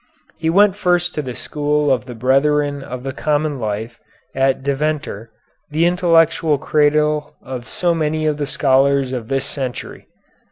He went first to the school of the Brethren of the Common Life at Deventer, the intellectual cradle of so many of the scholars of this century.